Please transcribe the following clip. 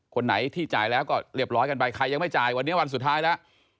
คนไหนที่จ่ายแล้วก็เรียบร้อยกันไปใครยังไม่จ่ายวันนี้วันสุดท้ายแล้ว